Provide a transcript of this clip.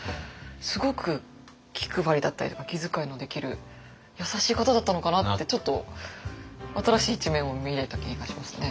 すごく気配りだったりとか気遣いのできる優しい方だったのかなってちょっと新しい一面を見れた気がしますね。